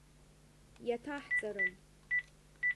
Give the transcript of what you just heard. Иаҭаҳҵарым.